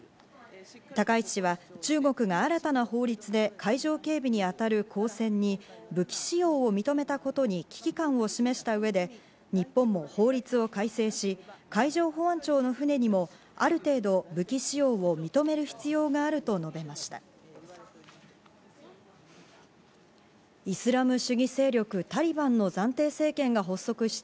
高市氏は中国が新たな法律で海上警備に当たる公船に武器使用を認めたことに危機感を示した上で日本も法律を改正し、海上保安庁の船にもある程度、武器使用を認める必要があると述べました。